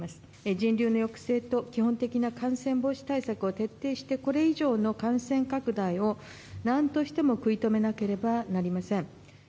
人流の抑制と基本的な感染防止対策を徹底して、これ以上の感染拡大をなんとしても食い止めなければなりません。